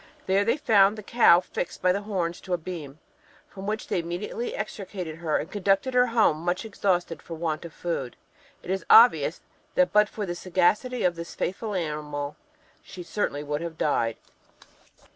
There they found the cow fixed by the horns to a beam, from which they immediately extricated her and conducted her home, much exhausted for want of food. It is obvious, that but for the sagacity of this faithful animal she certainly would have died.